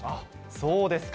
そうですか。